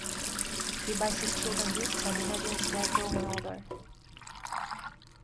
He buys his children gifts and imagines their growing older.